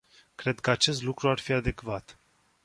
Cred că acest lucru ar fi adecvat.